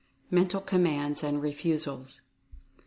MENTAL COMMANDS AND REFUSALS.